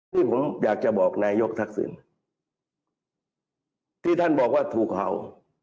นี่ผมอยากจะบอกนายกทักษิณที่ท่านบอกว่าถูกเห่า